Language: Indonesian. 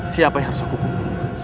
siapa yang harus aku buka